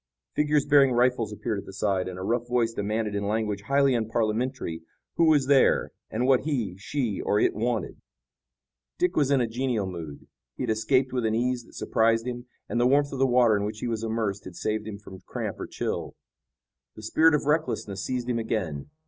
Figures bearing rifles appeared at the side, and a rough voice demanded in language highly unparliamentary who was there and what he, she or it wanted. Dick was in a genial mood. He had escaped with an ease that surprised him, and the warmth of the water in which he was immersed had saved him from cramp or chill. The spirit of recklessness seized him again.